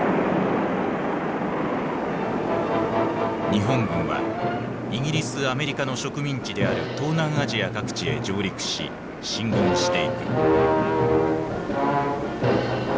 日本軍はイギリスアメリカの植民地である東南アジア各地へ上陸し進軍していく。